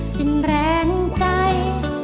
สิ้นแรงใจ